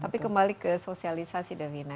tapi kembali ke sosialisasi devina